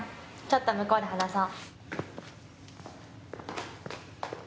ちょっと向こうで話そう。